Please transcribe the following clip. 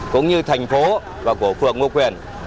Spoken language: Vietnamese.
cũng như thành phố và của phương ngô quyền